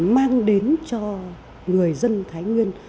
mang đến cho người dân thái nguyên